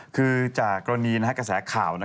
คือจากกรณีกระแสข่าว